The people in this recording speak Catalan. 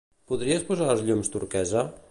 Podries posar els llums turquesa?